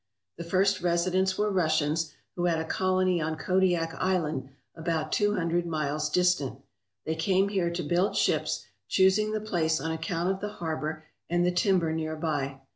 The first residents were Russians, who had a colony on Kodiak Island about two hundred miles distant. They came here to build ships, choosing the place on account of the harbour and the timber near by.